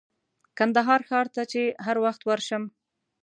کندهار ښار ته چې هر وخت ورشم.